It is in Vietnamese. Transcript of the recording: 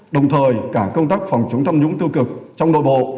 đồng thời cả công tác phòng chống tham nhũng tiêu cực trong nội bộ